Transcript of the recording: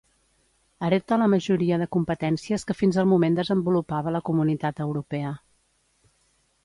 Hereta la majoria de competències que fins al moment desenvolupava la Comunitat Europea.